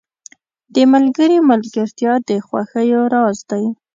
• د ملګري ملګرتیا د خوښیو راز دی.